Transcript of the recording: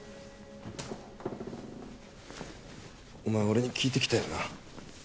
おまえ俺に聞いてきたよな。